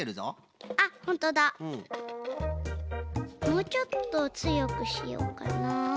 もうちょっとつよくしようかな。